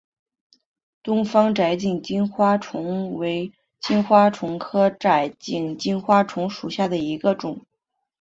东方窄颈金花虫为金花虫科窄颈金花虫属下的一个种。